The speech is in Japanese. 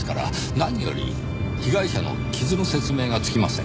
何より被害者の傷の説明がつきません。